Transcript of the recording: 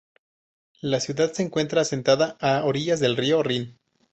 La ciudad se encuentra asentada a orillas del río Rin.